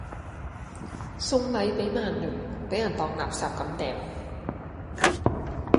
送禮俾曼聯，俾人當垃圾咁扔